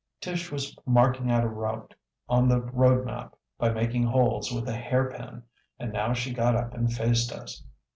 Tish was marking out a route on the road map by making holes with a hairpin, and now she got up and faced us.